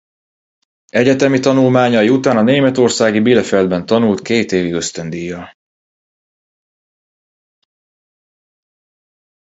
Egyetemi tanulmányai után a németországi Bielefeldben tanult két évig ösztöndíjjal.